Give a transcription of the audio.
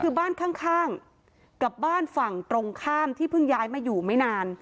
คือบ้านข้างกับบ้านฝั่งตรงข้ามที่เพิ่งย้ายมาอยู่ไม่นาน